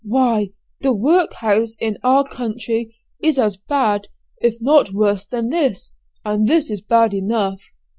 why, the workhouse in our country is as bad, if not worse than this, and this is bad enough.